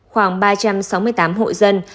khoảng ba trăm sáu mươi tám hội dân